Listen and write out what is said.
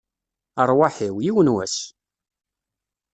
Rrwaḥ-iw, yiwen n wass!